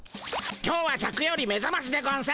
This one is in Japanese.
今日はシャクよりめざましでゴンス。